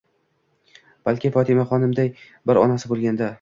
Balki Fotimaxonimday bir onasi bo'lganda